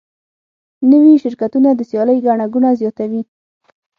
نوي شرکتونه د سیالۍ ګڼه ګوڼه زیاتوي.